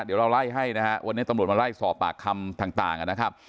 เดี๋ยวเราไล่ให้นะฮะวันนี้ตำรวจมาไล่สอบปากคำต่างนะครับ